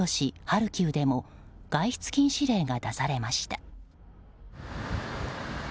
ハルキウでも外出禁止令が出されました。